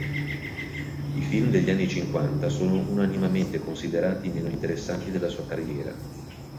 I film degli anni Cinquanta sono unanimemente considerati i meno interessanti della sua carriera.